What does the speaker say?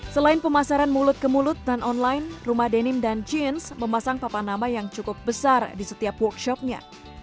selain pemasaran mulut ke mulut dan online rumah denim dan jeans memasang papan nama yang cukup besar di setiap workshopnya